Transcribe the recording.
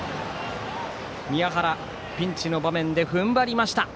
宮原、ピンチの場面で踏ん張りました。